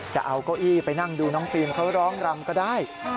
จะเอาเก้าอี้ไปนั่งดูน้องฟิล์มเขาร้องรำก็ได้